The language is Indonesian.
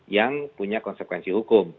yang punya konsekuensi hukum